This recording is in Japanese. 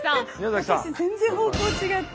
私全然方向違って。